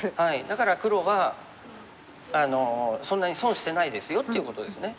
だから黒はそんなに損してないですよっていうことですね。